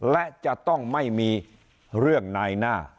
และจะต้องไม่มีเรื่องนายหน้า